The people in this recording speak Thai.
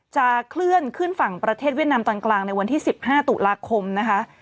จะเคลื่อนขึ้นฝั่งประเทศเวียดนามตอนกลางในวันที่๑๕ตุลาคมนะคะ